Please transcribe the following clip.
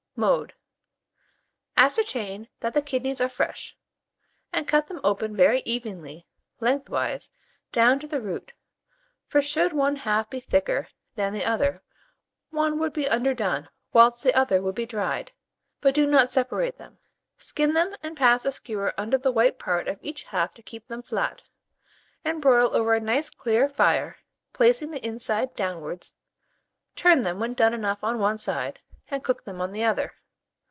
Mode. Ascertain that the kidneys are fresh, and cut them open very evenly, lengthwise, down to the root, for should one half be thicker than the other, one would be underdone whilst the other would be dried, but do not separate them; skin them, and pass a skewer under the white part of each half to keep them flat, and broil over a nice clear fire, placing the inside downwards; turn them when done enough on one side, and cook them on the other.